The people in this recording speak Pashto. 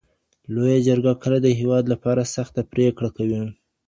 لویه جرګه کله د هیواد لپاره سخته پرېکړه کوي؟